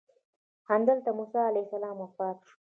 همدلته موسی علیه السلام وفات شو.